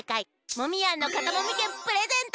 モミヤンのかたもみけんプレゼント！